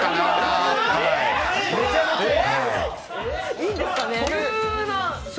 いいんですかね？